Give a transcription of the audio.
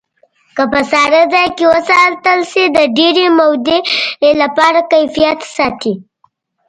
که په ساړه ځای کې وساتل شي د ډېرې مودې لپاره کیفیت ساتي.